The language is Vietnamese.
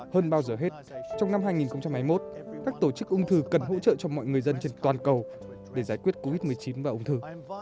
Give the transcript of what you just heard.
hơn bao giờ hết trong năm hai nghìn hai mươi một các tổ chức ung thư cần hỗ trợ cho mọi người dân trên toàn cầu để giải quyết covid một mươi chín và ung thư